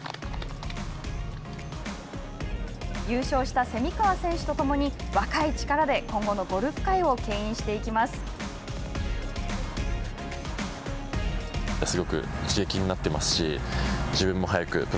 優勝した蝉川選手と共に若い力で今後のゴルフ界をけん引していきます。